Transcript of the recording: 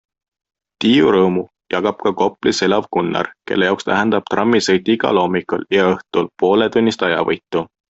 Tiiu rõõmu jagab ka Koplis elav Gunnar, kelle jaoks tähendab trammisõit igal hommikul ja õhtul pooletunnist ajavõitu.